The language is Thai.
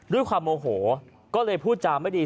ด้วยความโมโหก็เลยพูดจาไม่ดี